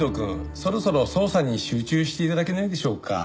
そろそろ捜査に集中して頂けないでしょうか？